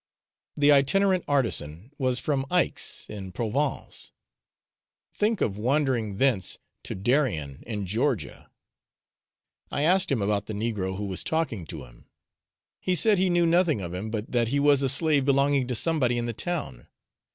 The itinerant artisan was from Aix in Provence; think of wandering thence to Darien in Georgia! I asked him about the negro who was talking to him; he said he knew nothing of him, but that he was a slave belonging to somebody in the town.